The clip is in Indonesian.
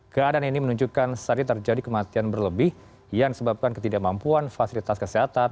keadaan ini menunjukkan saat ini terjadi kematian berlebih yang disebabkan ketidakmampuan fasilitas kesehatan